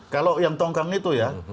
kalau yang tongkang itu ya